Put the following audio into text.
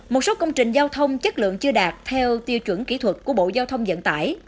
một số công trình giao thông chất lượng chưa đạt theo tiêu chuẩn kỹ thuật của bộ giao thông dẫn tải